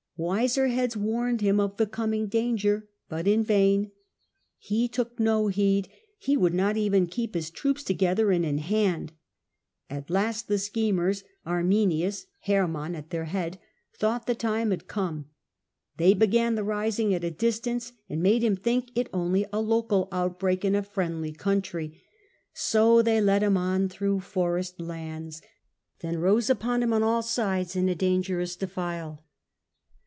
Wiser heads warned him of the coming danger, but in vain. He took no heed, he would not even keep his troops together and in hand. At last the schemers, Arminius (Hermann) at their head, thought the time had come. They began the rising at a distance, and made him think it only a local outbreak in a friendly country ; so they led him on through forest lands, then rose upon him on all sides in a dangerous defile.